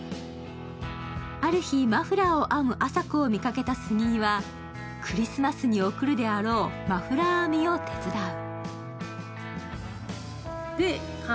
ある日、マフラーを編む亜沙子を見かけた杉井は、クリスマスに贈るであろう、マフラー編みを手伝う。